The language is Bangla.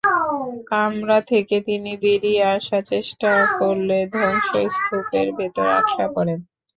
কামরা থেকে তিনি বেরিয়ে আসার চেষ্টা করলে ধ্বংসস্তূপের ভেতর আটকা পড়েন।